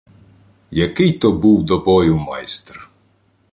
Який то був до бою майстер.